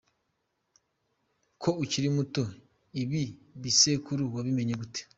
Ko ukiri muto, ibi bisekuru wabimenye gute?.